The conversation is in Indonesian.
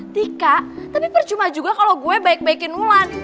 dika tapi percuma juga kalo gue baik baikin wulan